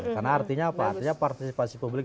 karena artinya apa artinya partisipasi publik